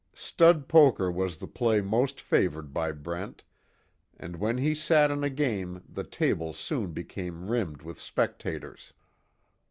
Stud poker was the play most favored by Brent, and when he sat in a game the table soon became rimmed with spectators.